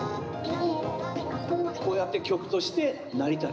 こうやって曲として成り立つ。